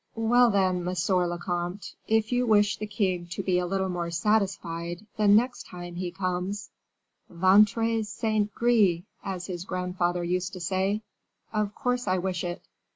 "Well, then, monsieur le comte, if you wish the king to be a little more satisfied the next time he comes " "'Ventre saint gris!' as his grandfather used to say; of course I wish it."